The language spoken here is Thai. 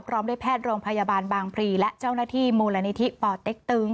พร้อมด้วยแพทย์โรงพยาบาลบางพลีและเจ้าหน้าที่มูลนิธิป่อเต็กตึง